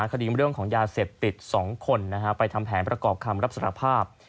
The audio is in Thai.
คดีเรื่องของยาเสพติด๒คนไปทำแผนประกอบคำรับสารภาพ